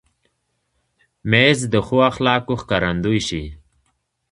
مېز د ښو اخلاقو ښکارندوی شي.